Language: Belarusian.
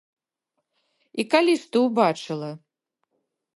І калі ж ты ўбачыла?